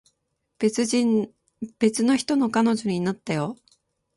別の人の彼女になったよ